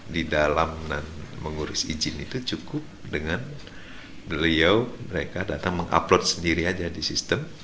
di dalam mengurus izin itu cukup dengan beliau mereka datang mengupload sendiri aja di sistem